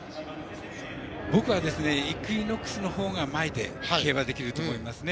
僕はイクイノックスのほうが前で競馬できると思いますね。